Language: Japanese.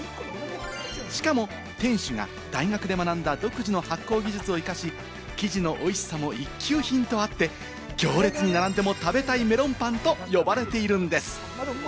しかも店主が大学で学んだ独自の発酵技術を生かし、生地のおいしさも一級品とあって、行列に並んでも食べたいメロンパンと呼ばれているんです。